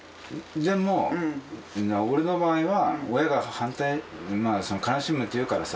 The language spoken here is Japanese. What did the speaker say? でも俺の場合は親が反対まあ悲しむって言うからさ。